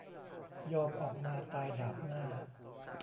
ยอมออกมา "ตายดาบหน้า"